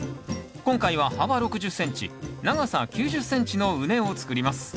今回は幅６０ｃｍ長さ９０ｃｍの畝を作ります。